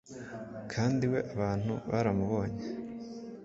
kandi we abantu baramubonye